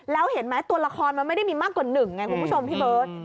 แล้วเห็นไหมตัวละครมันไม่ได้มีมากกว่าหนึ่งไงคุณผู้ชมพี่เบิร์ต